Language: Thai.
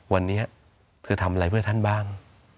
วันนี้เธอทำอะไรเพื่อท่านบ้าง